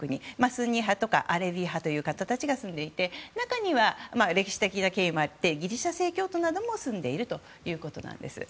スンニ派という方たちが住んでいて中には、歴史的な経緯もあってギリシャ正教徒なども住んでいるということです。